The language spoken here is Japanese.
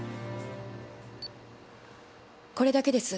これだけです。